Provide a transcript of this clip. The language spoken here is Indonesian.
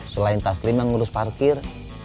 selain taslim yang ngurus parkir